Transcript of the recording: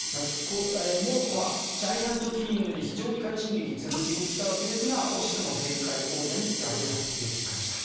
モロッコはジャイアントキリングで非常に快進撃を続けてきたわけですが惜しくも前回王者に敗れたという結果でした。